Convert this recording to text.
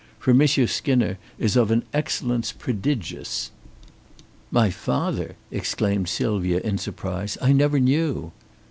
For Monsieur Skinner is of an excellence prodigious." "My father!" exclaimed Sylvia, in surprise. "I never knew."